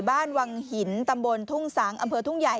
บ้านวังหินตำบลทุ่งสังอำเภอทุ่งใหญ่